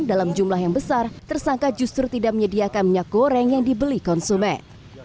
dalam jumlah yang besar tersangka justru tidak menyediakan minyak goreng yang dibeli konsumen